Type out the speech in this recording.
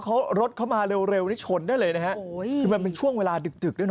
ถ้ารถเขามาเร็วนี่ชนได้เลยนะครับ